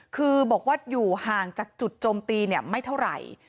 คือบอกว่าอยู่ห่างจากจุดโจมตีไม่เท่าไหร่